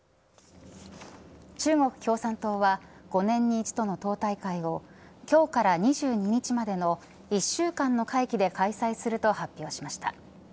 中国共産党は５年に一度の党大会を今日から２２日までの１週間の会期で開催すると発表しました。